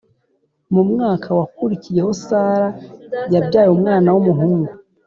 Mu mwaka wakurikiyeho Sara yabyaye umwana w umuhungu